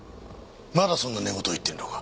まだそんな寝言を言ってるのか。